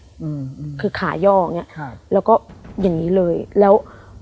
อืมคือขาย่ออย่างเงี้ครับแล้วก็อย่างงี้เลยแล้ว